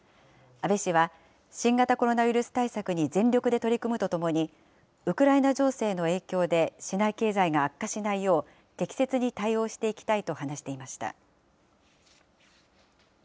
阿部氏は新型コロナウイルス対策に全力で取り組むとともに、ウクライナ情勢の影響で、市内経済が悪化しないよう適切に対応していきたいと話していました。